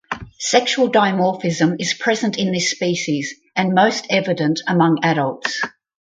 Sexual dimorphism is present in this species and most evident among adults.